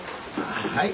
はい。